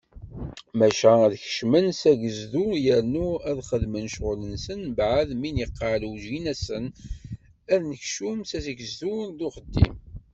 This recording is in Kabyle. Maca ad kecmen s agezdu yernu ad xedmen ccɣel-nsen, mbeɛd mi niqal ugin-asen anekcum s agezdu d uxeddim.